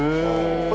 これ